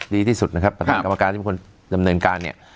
ดีที่สุดนะครับประธานกรรมการที่เป็นคนดำเนินการเนี่ย